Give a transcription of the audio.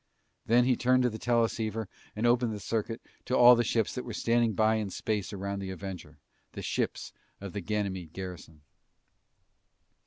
Then, he turned to the teleceiver and opened the circuit to all the ships that were standing by in space around the Avenger, the ships of the Ganymede garrison.